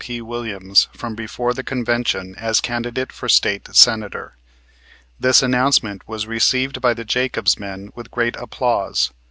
P. Williams from before the convention as candidate for State Senator. This announcement was received by the Jacobs men with great applause.